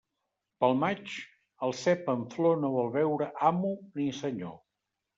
Pel maig, el cep en flor no vol veure amo ni senyor.